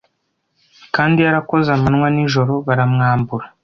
Kandi yarakoze amanywa nijoro baramwambura